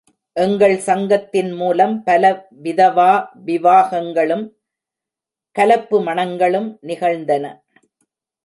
எங்கள் சங்கத்தின் மூலம் பல விதவா விவாகங்களும் கலப்பு மணங்களும் நிகழ்ந்தன.